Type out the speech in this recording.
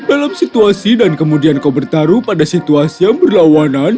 dalam situasi dan kemudian kau bertaruh pada situasi yang berlawanan